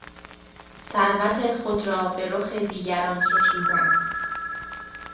ثروت خود را به رخ دیگران کشیدن